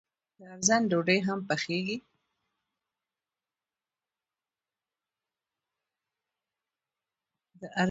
د ارزن ډوډۍ هم پخیږي.